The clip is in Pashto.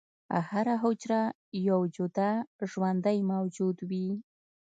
هره حجره یو جدا ژوندی موجود وي.